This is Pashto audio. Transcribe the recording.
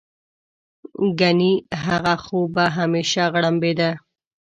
ګنې هغه خو به همېشه غړمبېده.